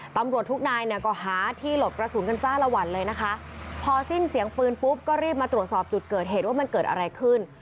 ตำรวจทุกนายเนี่ยก็หาที่หลบกระสุนกันจ้าละวันเลยนะคะพอสิ้นเสียงปืนปุ๊บก็รีบมาตรวจสอบจุดเกิดเหตุว่ามันเกิดอะไรขึ้น